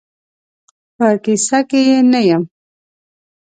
په کیسه کې یې نه یم.